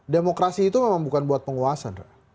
demokrasi itu memang bukan buat penguasa